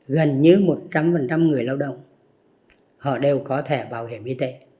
gần như một trăm linh người lao động họ đều có thẻ bảo hiểm y tế